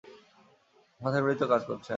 মাথা এমনিতেও কাজ করছে না!